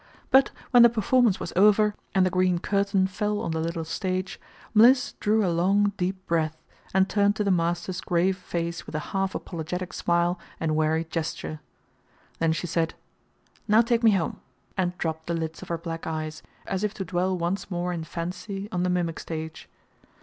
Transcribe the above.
But when the performance was over, and the green curtain fell on the little stage, Mliss drew a long deep breath, and turned to the master's grave face with a half apologetic smile and wearied gesture. Then she said, "Now take me home!" and dropped the lids of her black eyes, as if to dwell once more in fancy on the mimic stage.